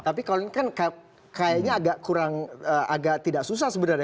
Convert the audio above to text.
tapi kalau ini kan kayaknya agak kurang agak tidak susah sebenarnya